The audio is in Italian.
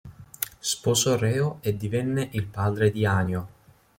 Sposò Reo e divenne il padre di Anio.